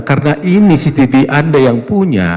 karena ini cctv anda yang punya